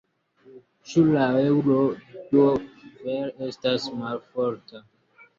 Ĉu la eŭro do vere estas malforta?